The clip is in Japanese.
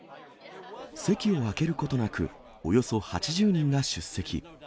席を空けることなく、およそ８０人が出席。